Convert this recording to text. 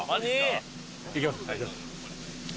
いきます。